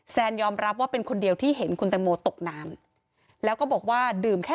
ยอมรับว่าเป็นคนเดียวที่เห็นคุณตังโมตกน้ำแล้วก็บอกว่าดื่มแค่